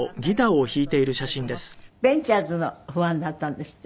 ベンチャーズのファンだったんですって？